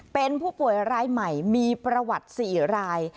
เป็นผู้ป่วยรายใหม่มีประวัติ๔ราย